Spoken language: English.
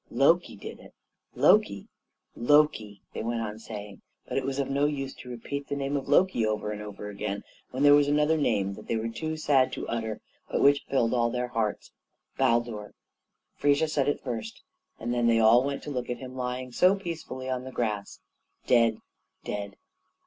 "Loki did it! Loki, Loki!" they went on saying; but it was of no use to repeat the name of Loki over and over again when there was another name they were too sad to utter but which filled all their hearts Baldur. Frigga said it first, and then they all went to look at him lying down so peacefully on the grass dead, dead.